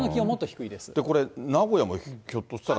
これ、名古屋もひょっとしたら。